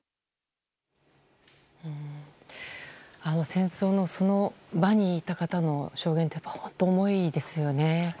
戦争のその場にいた方の証言って本当、重いですよね。